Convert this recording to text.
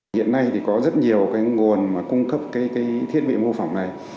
hiện nay thì có rất nhiều cái nguồn mà cung cấp cái thiết bị mô phỏng này